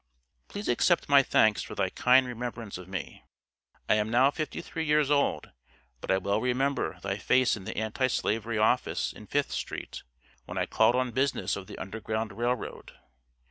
Please accept my thanks for thy kind remembrance of me. I am now fifty three years old, but I well remember thy face in the Anti slavery Office in Fifth street, when I called on business of the Underground Rail Road.